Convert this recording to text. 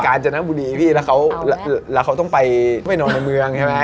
อันนี้เขาก็ไม่รู้เรื่องไง